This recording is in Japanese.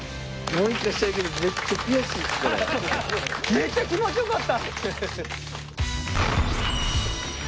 めっちゃ気持ちよかった！